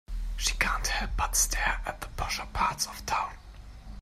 She can't help but to stare at the posher parts of town.